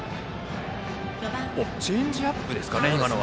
チェンジアップですかね、今のは。